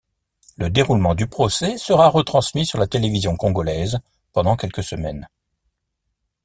Le déroulement du procès sera retransmis sur la télévision congolaise pendant quelques semaines.